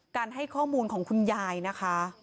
ให้ข้อมูลของคุณยายนะคะ